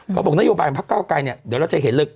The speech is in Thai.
เขาบอกนโยบายพักเก้าไกรเนี่ยเดี๋ยวเราจะเห็นเลย